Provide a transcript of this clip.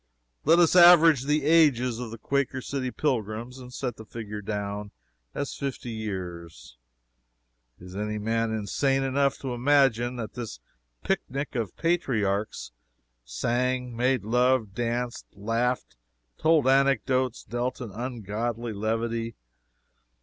Let us average the ages of the __Quaker City__'s pilgrims and set the figure down as fifty years. Is any man insane enough to imagine that this picnic of patriarchs sang, made love, danced, laughed, told anecdotes, dealt in ungodly levity?